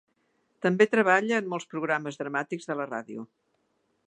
També treballa en molts programes dramàtics de la ràdio.